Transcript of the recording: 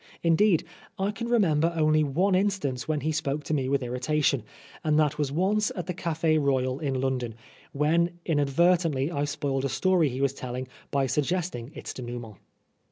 Indeed, I can remember only one instance when he spoke to me with irritation, and that was once at the Cafe Royal in London, when inadvert ently I spoiled a story he was telling by suggesting its denouement.